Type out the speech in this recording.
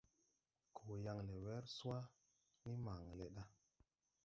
Koo yaŋ le wer swaʼ. Ndi maŋn le ɗa.